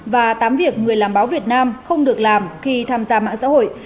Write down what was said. và tám việc người làm báo việt nam không được làm khi tham gia mạng xã hội